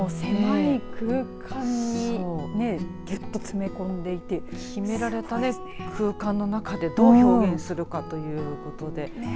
この狭い空間にぎゅっと詰め込んでいて決められた空間の中でどう表現するかということで。